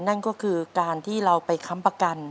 นั่นก็คือการที่เราไปค้ำประกัน